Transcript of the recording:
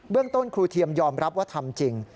เบื้องโต้นครูเทียมยอมรับว่าทำจริง